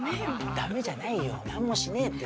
ダメじゃないよ何もしねえって。